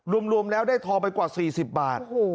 รวมแล้วได้ทองไปกว่า๔๐บาท